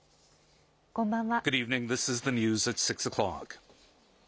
こんばんは。